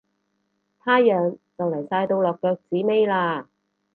太陽就嚟晒到落腳子尾喇